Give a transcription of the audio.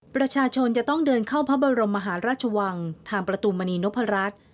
ประชาชนจะต้องเดินเข้าพระบรมมหาราชวังทางประตูมณีนพรัช